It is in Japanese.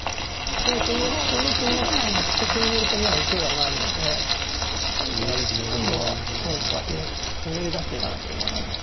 ええその歩のと金による攻めは受けがないので先手は今度は何かひねり出していかなければならない。